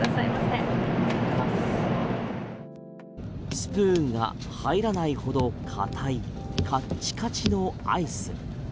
スプーンが入らないほど固いカッチカチのアイス。